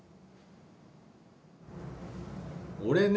俺ね